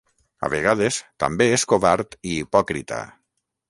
A vegades, també és covard i hipòcrita.